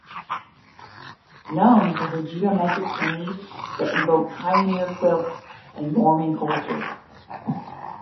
Known for her geometric paintings that invoke pioneer quilts and Mormon culture.